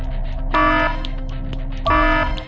อย่าพูดเรื่องนี้นะทีมย์กว้าว